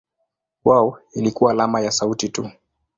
Kwao ilikuwa alama ya sauti tu.